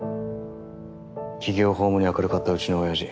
企業法務に明るかったうちの親父。